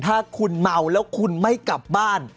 ถ้าคุณเมาแล้วคุณไม่กลับบ้าน